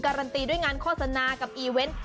การันตีด้วยงานโฆษณากับอีเวนต์